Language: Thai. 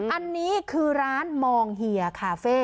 อันนี้คือร้านมองเฮียคาเฟ่